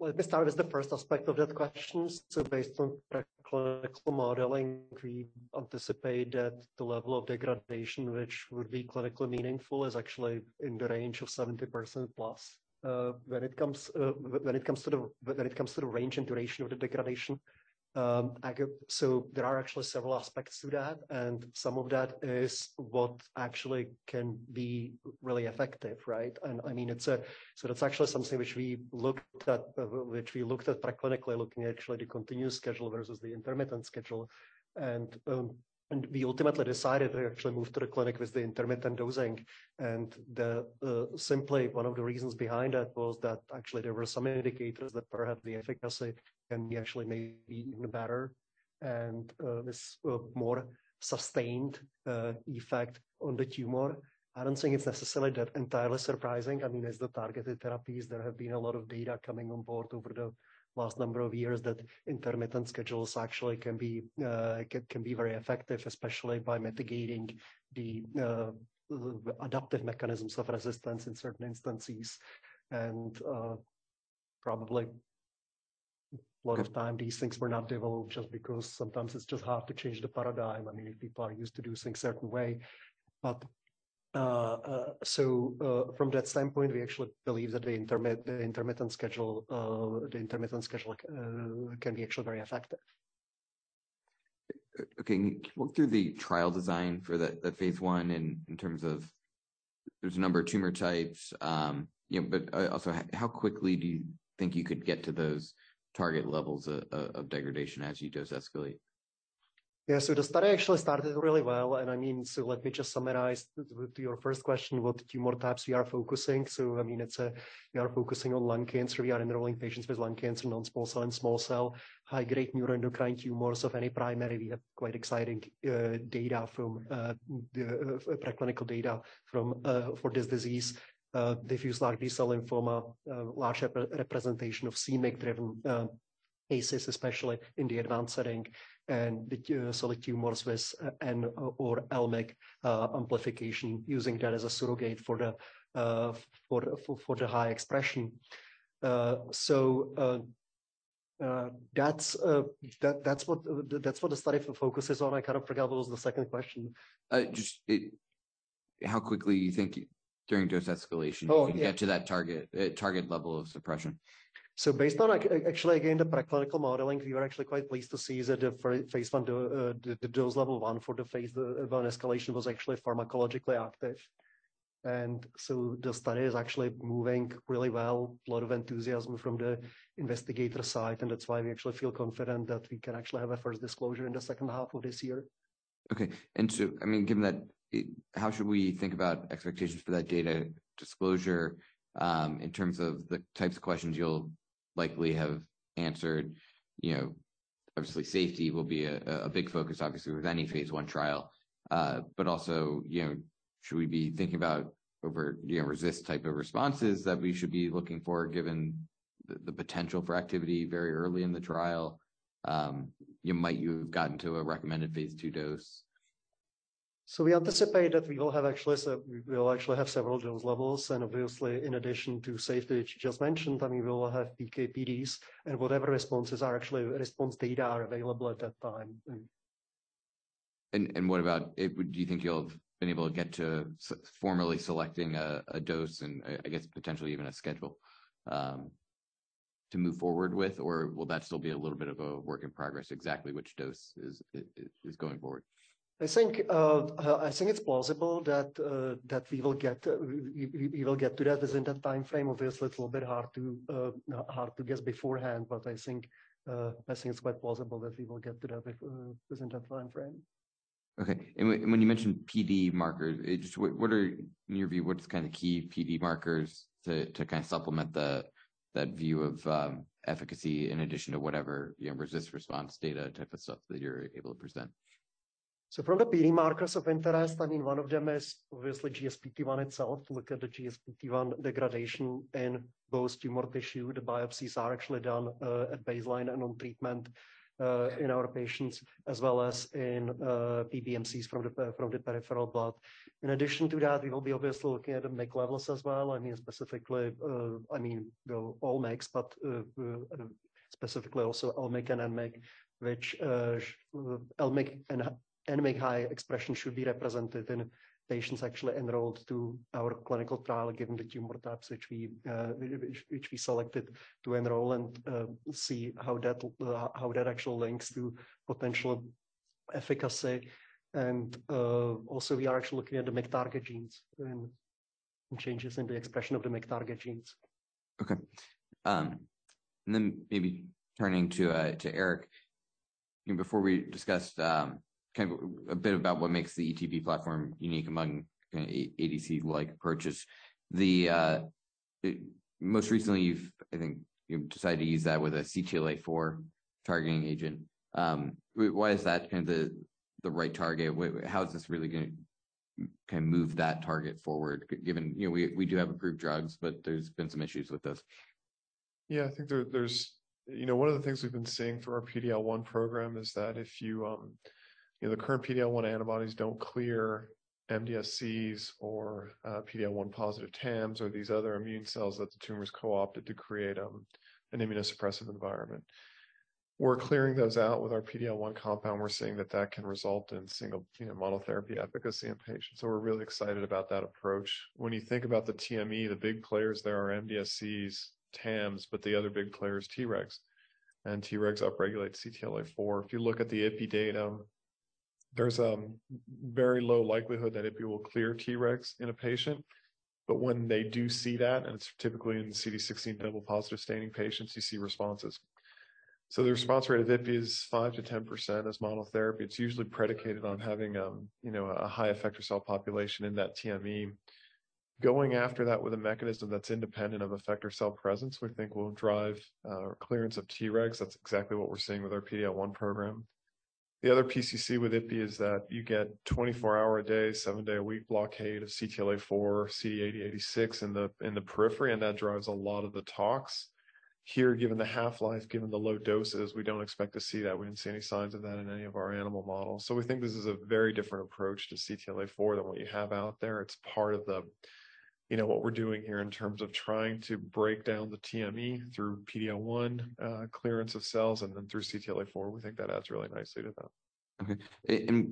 Let me start with the first aspect of that question. Based on pre-clinical modeling, we anticipate that the level of degradation, which would be clinically meaningful, is actually in the range of 70% plus. When it comes to the range and duration of the degradation, there are actually several aspects to that, and some of that is what actually can be really effective, right? I mean, that's actually something which we looked at, which we looked at pre-clinically, looking at actually the continuous schedule versus the intermittent schedule. We ultimately decided to actually move to the clinic with the intermittent dosing. Simply one of the reasons behind that was that actually there were some indicators that perhaps the efficacy can be actually may be even better and this more sustained effect on the tumor. I don't think it's necessarily that entirely surprising. I mean, as the targeted therapies, there have been a lot of data coming on board over the last number of years that intermittent schedules actually can be very effective, especially by mitigating the adaptive mechanisms of resistance in certain instances. Probably a lot of time these things were not developed just because sometimes it's just hard to change the paradigm. I mean, if people are used to doing things a certain way. From that standpoint, we actually believe that the intermittent schedule can be actually very effective. Okay. Can you walk through the trial design for the phase I in terms of there's a number of tumor types, you know, but also how quickly do you think you could get to those target levels of degradation as you dose escalate? Yeah. The study actually started really well. I mean, let me just summarize with your first question, what tumor types we are focusing. I mean, it's we are focusing on lung cancer. We are enrolling patients with lung cancer, non-small cell and small cell, high-grade neuroendocrine tumors of any primary. We have quite exciting data from preclinical data from for this disease. diffuse large B-cell lymphoma, large representation of c-MYC-driven cases, especially in the advanced setting, and the solid tumors with N- or L-MYC amplification, using that as a surrogate for the for the high expression. so, that's that's what the study focuses on. I kind of forgot what was the second question. just, how quickly you think during dose escalation? Oh, yeah. you can get to that target level of suppression. Based on actually, again, the preclinical modeling, we were actually quite pleased to see that the phase I dose Level 1 for the phase I escalation was actually pharmacologically active. The study is actually moving really well. A lot of enthusiasm from the investigator side, and that's why we actually feel confident that we can actually have a first disclosure in the second half of this year. Okay. I mean, given that, how should we think about expectations for that data disclosure, in terms of the types of questions you'll likely have answered? You know, obviously, safety will be a big focus, obviously, with any phase I trial. Also, you know, should we be thinking about over, you know, RECIST type of responses that we should be looking for, given the potential for activity very early in the trial? You've gotten to a recommended phase II dose. We anticipate that we will actually have several dose levels. Obviously, in addition to safety, which you just mentioned, I mean, we will have PK, PDs and whatever response data are available at that time. What about do you think you'll have been able to get to formally selecting a dose and I guess potentially even a schedule to move forward with? Or will that still be a little bit of a work in progress, exactly which dose is going forward? I think, I think it's plausible that we will get to that within that time frame. Obviously, it's a little bit hard to, hard to guess beforehand, but I think, I think it's quite plausible that we will get to that within that time frame. When you mention PD markers, just what are, in your view, what's kind of key PD markers to kind of supplement the, that view of efficacy in addition to whatever, you know, RECIST response data type of stuff that you're able to present? Probably markers of interest, I mean, one of them is obviously GSPT1 itself. Look at the GSPT1 degradation in both tumor tissue. The biopsies are actually done at baseline and on treatment in our patients as well as in PBMCs from the peripheral blood. In addition to that, we will be obviously looking at the MYC levels as well. I mean specifically, the all MYCs, but specifically also L-MYC and N-MYC, which L-MYC and N-MYC high expression should be represented in patients actually enrolled to our clinical trial, given the tumor types which we selected to enroll and see how that actually links to potential efficacy. Also, we are actually looking at the MYC target genes and changes in the expression of the MYC target genes. Okay. Maybe turning to Eric, you know, before we discussed, kind of a bit about what makes the ETB platform unique among, you know, A-ADC like approaches. Most recently, I think you've decided to use that with a CTLA-4 targeting agent. Why is that kind of the right target? How is this really gonna kind of move that target forward given, you know, we do have approved drugs, but there's been some issues with this? Yeah, I think there's. You know, one of the things we've been seeing through our PD-L1 program is that if you know, the current PD-L1 antibodies don't clear MDSCs or PD-L1 positive TAMs or these other immune cells that the tumor's co-opted to create an immunosuppressive environment. We're clearing those out with our PD-L1 compound. We're seeing that can result in single, you know, monotherapy efficacy in patients. We're really excited about that approach. When you think about the TME, the big players there are MDSCs, TAMs. The other big player is Tregs. Tregs upregulates CTLA-4. If you look at the ipilimumab data, there's a very low likelihood that ipilimumab will clear Tregs in a patient. When they do see that, and it's typically in CD16 double positive staining patients, you see responses. The response rate of ipilimumab is 5%-10% as monotherapy. It's usually predicated on having, you know, a high effector cell population in that TME. Going after that with a mechanism that's independent of effector cell presence, we think will drive clearance of Tregs. That's exactly what we're seeing with our PD-L1 program. The other PCC with ipilimumab is that you get 24-hour-a-day, seven-day-a-week blockade of CTLA-4, CD80/CD86 in the, in the periphery, and that drives a lot of the talks. Here, given the half-life, given the low doses, we don't expect to see that. We didn't see any signs of that in any of our animal models. We think this is a very different approach to CTLA-4 than what you have out there. It's part of the, you know, what we're doing here in terms of trying to break down the TME through PD-L1, clearance of cells and then through CTLA-4. We think that adds really nicely to that. Okay.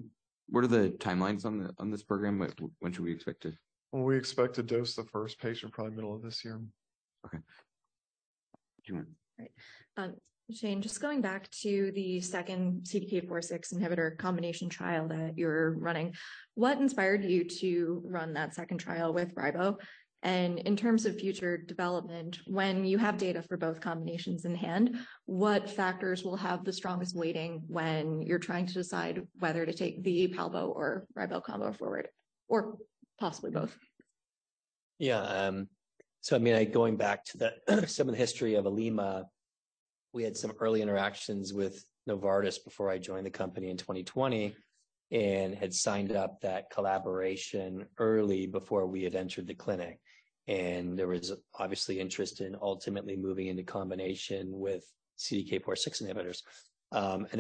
What are the timelines on this program? When should we expect to-? Well, we expect to dose the first patient probably middle of this year. Okay. Right. Shane, just going back to the second CDK4/6 inhibitor combination trial that you're running, what inspired you to run that second trial with ribo? In terms of future development, when you have data for both combinations in hand, what factors will have the strongest weighting when you're trying to decide whether to take V/Palbo or ribo combo forward, or possibly both? Yeah. I mean, going back to some of the history of Olema, we had some early interactions with Novartis before I joined the company in 2020, and had signed up that collaboration early before we had entered the clinic. There was obviously interest in ultimately moving into combination with CDK4/6 inhibitors.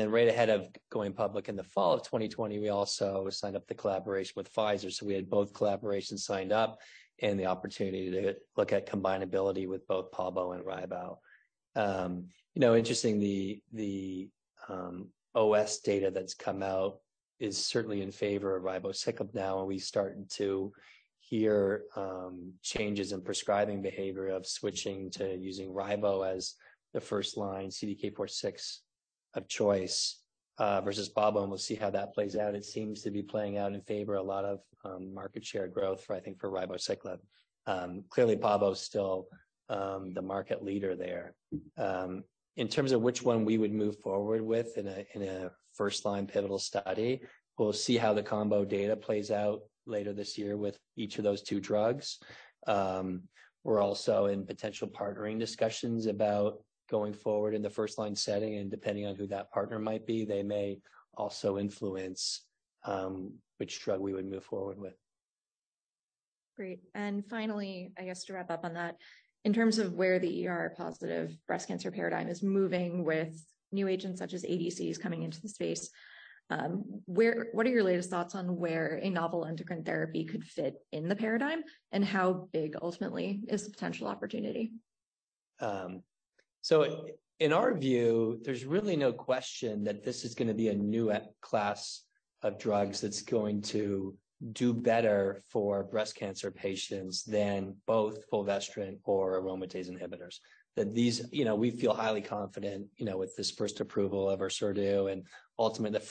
Right ahead of going public in the fall of 2020, we also signed up the collaboration with Pfizer. We had both collaborations signed up and the opportunity to look at combinability with both Pabo and ribo. You know, interestingly, the OS data that's come out is certainly in favor of ribociclib now, we're starting to hear changes in prescribing behavior of switching to using ribo as the first-line CDK4/6 of choice versus Pabo, we'll see how that plays out. It seems to be playing out in favor. A lot of market share growth for, I think, for ribociclib. Clearly, Pabo is still the market leader there. In terms of which one we would move forward with in a first-line pivotal study, we'll see how the combo data plays out later this year with each of those two drugs. We're also in potential partnering discussions about going forward in the first-line setting, and depending on who that partner might be, they may also influence which drug we would move forward with. Great. Finally, I guess to wrap up on that, in terms of where the ER-positive breast cancer paradigm is moving with new agents such as ADCs coming into the space, what are your latest thoughts on where a novel endocrine therapy could fit in the paradigm, and how big ultimately is the potential opportunity? In our view, there's really no question that this is going to be a new e-class of drugs that's going to do better for breast cancer patients than both fulvestrant or aromatase inhibitors. You know, we feel highly confident, you know, with this first approval of ORSERDU, and ultimately, the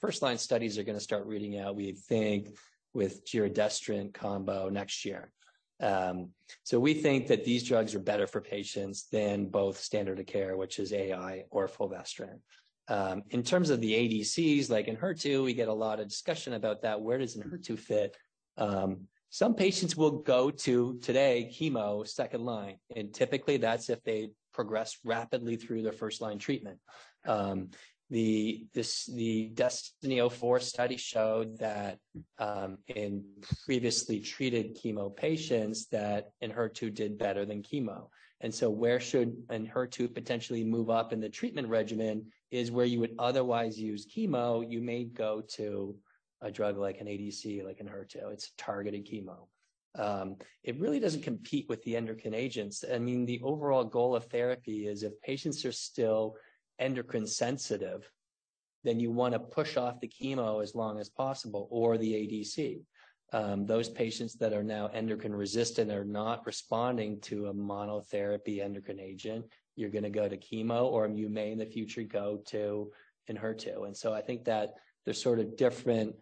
first-line studies are going to start reading out, we think, with Giredestrant combo next year. We think that these drugs are better for patients than both standard of care, which is AI or fulvestrant. In terms of the ADCs, like in HER2, we get a lot of discussion about that. Where does an HER2 fit? Some patients will go to, today, chemo second line, typically that's if they progress rapidly through their first-line treatment. The DESTINY-Breast04 study showed that in previously treated chemo patients that enhertu did better than chemo. Where should enhertu potentially move up in the treatment regimen is where you would otherwise use chemo, you may go to a drug like an ADC, like an enhertu. It's targeted chemo. It really doesn't compete with the endocrine agents. I mean, the overall goal of therapy is if patients are still endocrine sensitive, then you wanna push off the chemo as long as possible or the ADC. Those patients that are now endocrine resistant are not responding to a monotherapy endocrine agent. You're gonna go to chemo, or you may in the future go to enhertu. I think that there's sort of different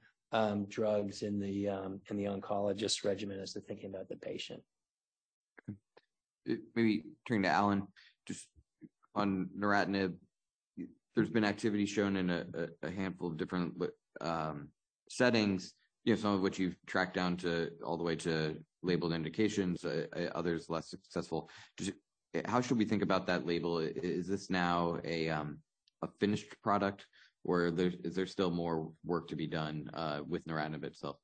drugs in the in the oncologist regimen as they're thinking about the patient. Okay. Maybe turning to Alan, on neratinib, there's been activity shown in a handful of different settings, you know, some of which you've tracked down to all the way to labeled indications, others less successful. How should we think about that label? Is this now a finished product, or is there still more work to be done with neratinib itself?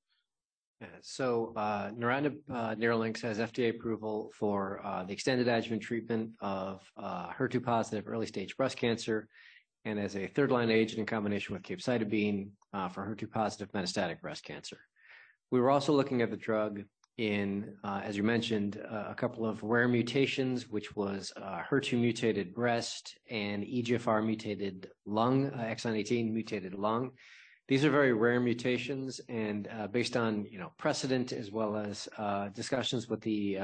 Yeah. Neratinib, Nerlynx, has FDA approval for the extended adjuvant treatment of HER2-positive early-stage breast cancer and as a third-line agent in combination with capecitabine for HER2-positive metastatic breast cancer. We were also looking at the drug in, as you mentioned, a couple of rare mutations, which was HER2-mutated breast and EGFR-mutated lung, exon 18 mutated lung. These are very rare mutations. Based on, you know, precedent as well as discussions with the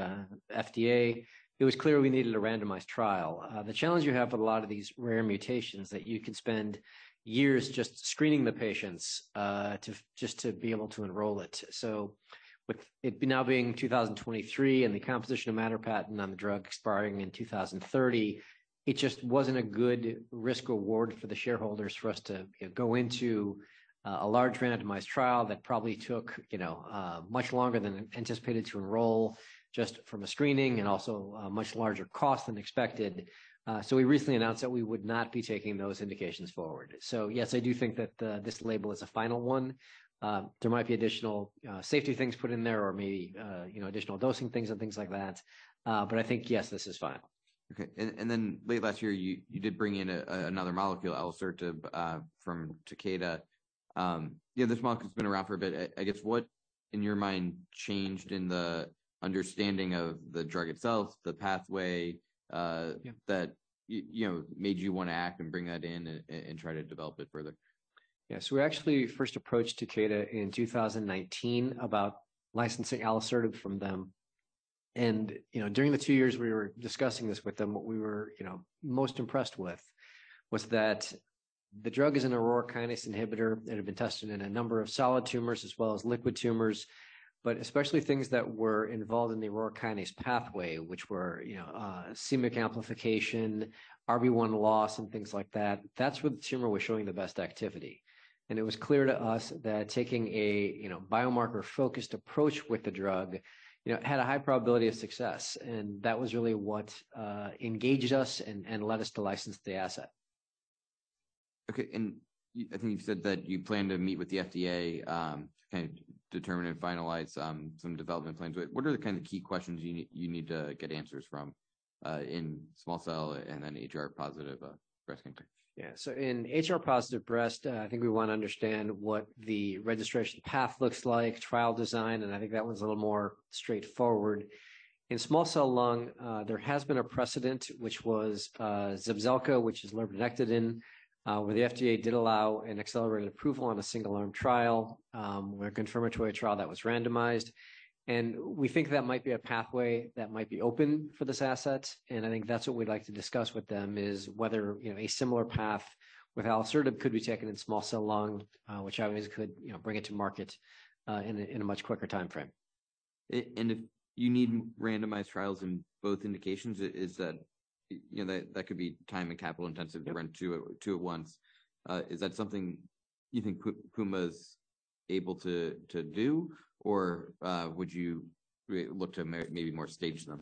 FDA, it was clear we needed a randomized trial. The challenge you have with a lot of these rare mutations, that you could spend years just screening the patients just to be able to enroll it. With it now being 2023 and the composition of matter patent on the drug expiring in 2030, it just wasn't a good risk reward for the shareholders for us to, you know, go into a large randomized trial that probably took, you know, much longer than anticipated to enroll just from a screening and also a much larger cost than expected. We recently announced that we would not be taking those indications forward. Yes, I do think that this label is a final one. There might be additional safety things put in there or maybe, you know, additional dosing things and things like that. But I think, yes, this is final. Okay. Then late last year, you did bring in another molecule, alisertib, from Takeda. You know, this molecule's been around for a bit. I guess, what, in your mind, changed in the understanding of the drug itself, the pathway? Yeah ...that, you know, made you want to act and bring that in and try to develop it further? Yeah. We actually first approached Takeda in 2019 about licensing alisertib from them. You know, during the two years we were discussing this with them, what we were, you know, most impressed with was that the drug is an aurora kinase inhibitor that had been tested in a number of solid tumors as well as liquid tumors, but especially things that were involved in the aurora kinase pathway, which were, you know, c-MYC amplification, RB1 loss and things like that. That's where the tumor was showing the best activity. It was clear to us that taking a, you know, biomarker-focused approach with the drug, you know, had a high probability of success. That was really what engaged us and led us to license the asset. Okay. I think you've said that you plan to meet with the FDA to kind of determine and finalize some development plans. What are the kind of key questions you need to get answers from in small cell and then HR-positive breast cancer? In HR-positive breast, I think we wanna understand what the registration path looks like, trial design, and I think that one's a little more straightforward. In small cell lung, there has been a precedent, which was Zepzelca, which is lurbinectedin, where the FDA did allow an accelerated approval on a single-arm trial, or a confirmatory trial that was randomized. We think that might be a pathway that might be open for this asset, and I think that's what we'd like to discuss with them, is whether, you know, a similar path with alisertib could be taken in small cell lung, which obviously could, you know, bring it to market in a much quicker timeframe. If you need randomized trials in both indications, is that... You know, that could be time and capital intensive. Yeah ...to run two at once. Is that something you think Puma's able to do, or, would you look to maybe more stage them?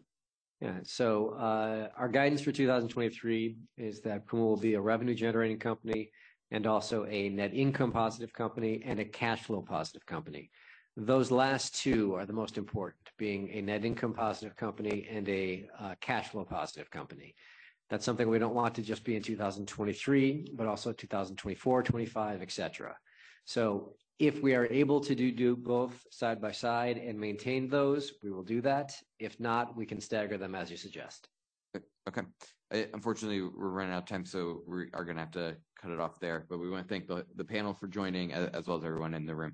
Yeah. Our guidance for 2023 is that Puma will be a revenue-generating company and also a net income positive company and a cash flow positive company. Those last two are the most important, being a net income positive company and a cash flow positive company. That's something we don't want to just be in 2023, but also 2024, 2025, et cetera. If we are able to do both side by side and maintain those, we will do that. If not, we can stagger them as you suggest. Okay. Unfortunately, we are going to have to cut it off there. We want to thank the panel for joining, as well as everyone in the room.